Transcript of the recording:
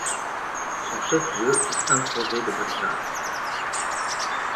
Son chef-lieu est San José de Bolívar.